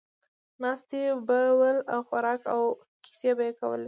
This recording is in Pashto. ناست به ول، خوراک او کیسې به یې کولې.